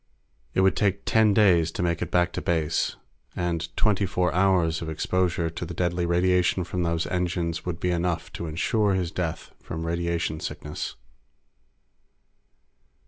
It would take ten days to make it back to base, and twenty four hours of exposure to the deadly radiation from those engines would be enough to insure his death from radiation sickness.